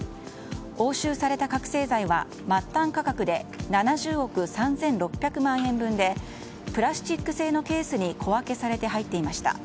押収された覚醒剤は末端価格で７０億円３６００万円分でプラスチック製のケースに小分けして入っていました。